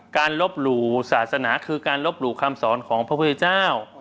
ลบหลู่ศาสนาคือการลบหลู่คำสอนของพระพุทธเจ้า